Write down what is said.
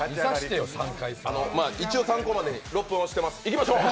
一応参考までに、６分押してます！